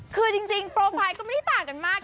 คือจริงโปรไฟล์ก็ไม่ได้ต่างกันมาก